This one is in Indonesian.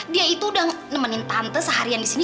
dia itu udah nemenin tante seharian disini